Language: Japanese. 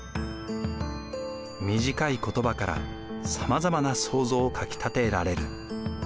短い言葉からさまざまな想像をかきたてられる。